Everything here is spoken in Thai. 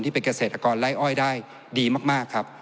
เป็นเกษตรกรไล่อ้อยได้ดีมากครับ